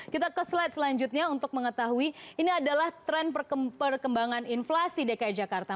kita ke slide selanjutnya untuk mengetahui ini adalah tren perkembangan inflasi dki jakarta